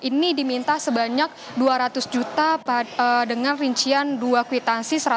ini diminta sebanyak dua ratus juta dengan rincian dua kwitansi